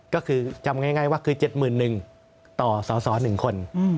ก็คือจำง่ายว่าคือ๗๑๐๐ต่อสส๑คน